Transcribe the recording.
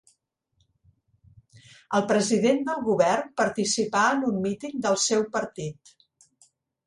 El president del govern participà en un míting del seu partit.